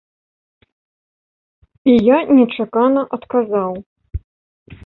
І я нечакана адказаў.